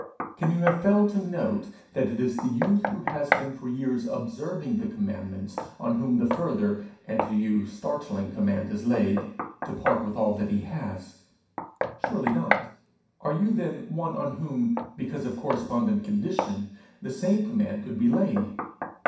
Can you have failed to note that it is the youth who has been for years observing the commandments on whom the further, and to you startling, command is laid, to part with all that he has? Surely not! Are you then one on whom, because of correspondent condition, the same command could be laid?